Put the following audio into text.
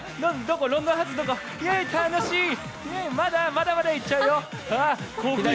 まだまだいっちゃうよ。